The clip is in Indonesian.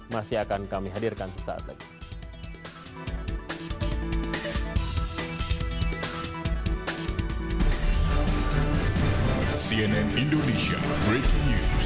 masih akan kami hadirkan sesaat lagi